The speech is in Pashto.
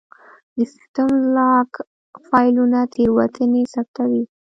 د سیسټم لاګ فایلونه تېروتنې ثبتوي.